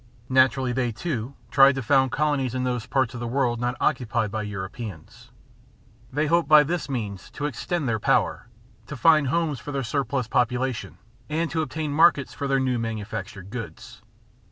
Naturally they too tried to found colonies in those parts of the world not occupied by Europeans. They hoped by this means to extend their power, to find homes for their surplus population, and to obtain markets for their new manufactured goods.